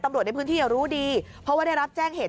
ตำรวจในพื้นที่รู้ดีเพราะว่าได้รับแจ้งเหตุ